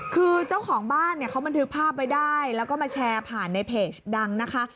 คือเจ้าของบ้านเนี่ยเขาบันทึกภาพไว้ได้แล้วก็มาแชร์ผ่านในเพจดังนะคะ